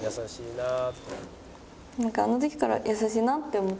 なんかあの時から優しいなって思って。